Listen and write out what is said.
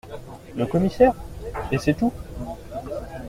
Le Commissaire Et c’est tout ?…